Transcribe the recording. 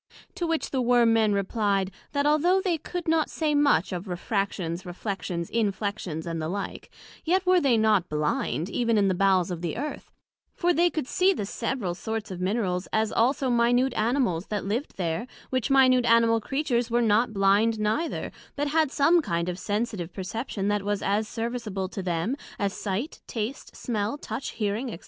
To which the Worm men replied, that although they could not say much of refractions, reflections, inflections, and the like; yet were they not blind, even in the bowels of the Earth: for they could see the several sorts of Minerals, as also minute Animals, that lived there; which minute Animal Creatures were not blind neither, but had some kind of sensitive perception that was as serviceable to them, as sight, taste, smell, touch, hearing, &c.